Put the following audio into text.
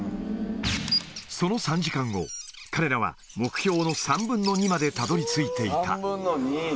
その３時間後、彼らは、目標の３分の２までたどりついていた。